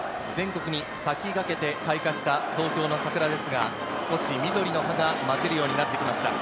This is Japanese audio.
全国に先駆けて開花した東京の桜ですが少し、緑の葉がまじるようになってきました。